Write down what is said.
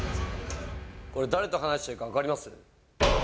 これ、誰と話しているか、分かります？